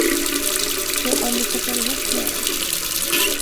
Så om vi kopplar ihop några.